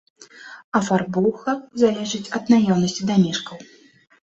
Афарбоўка залежыць ад наяўнасці дамешкаў.